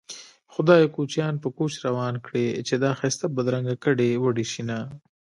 خدايه کوچيان په کوچ روان کړې چې دا ښايسته بدرنګې ګډې وډې شينه